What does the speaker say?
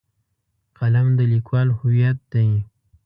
قلم د لیکوال هویت دی.